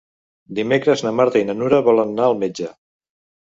Dimecres na Marta i na Nura volen anar al metge.